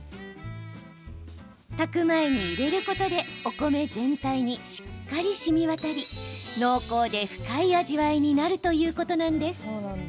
炊く前に入れることでお米全体にしっかりしみ渡り濃厚で深い味わいになるということなんです。